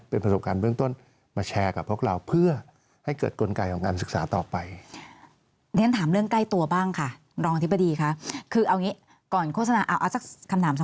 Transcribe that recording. เป็นประสบการณ์เบื้องต้นมาแชร์กับพวกเรา